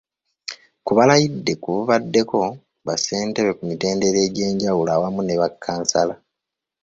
Ku balayidde ku baddeko bassentebe ku mitendera egy’enjawulo awamu ne bakkansala.